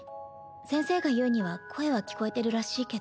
先生が言うには声は聞こえてるらしいけど